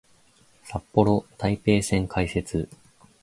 札幌・台北線開設